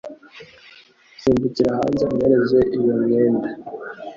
Simbukira hanze umpereze iyo myenda